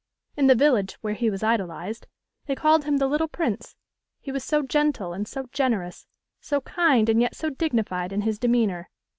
In the village, where he was idolised, they called him 'the little prince;' he was so gentle and so generous, so kind and yet so dignified in his demeanour.